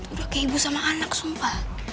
udah ke ibu sama anak sumpah